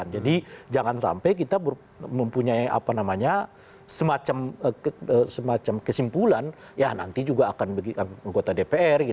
jadi jangan sampai kita mempunyai semacam kesimpulan ya nanti juga akan menggoda dpr